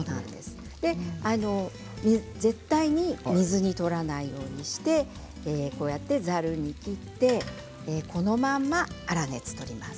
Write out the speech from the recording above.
絶対に水に取らないようにしてざるに切って、このまま粗熱を取ります。